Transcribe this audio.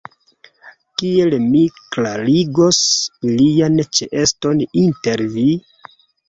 Kiel mi klarigos ilian ĉeeston inter vi?